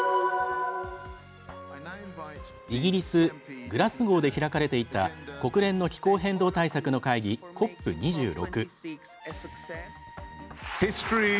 イギリス・グラスゴーで開かれていた国連の気候変動対策の会議、ＣＯＰ２６。